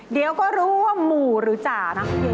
เดี๋ยวก็รู้ว่าหมู่หรือจ่านะพี่